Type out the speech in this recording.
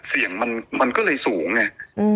เสี่ยงมันก็เลยสูงไง